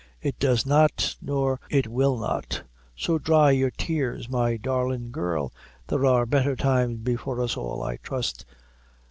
It does not, nor it will not: so dry your tears, my darlin' girl; there are better times before us all, I trust.